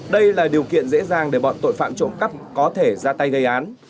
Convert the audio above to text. đây là điều kiện dễ dàng để bọn tội phạm trộm cắp có thể ra tay gây án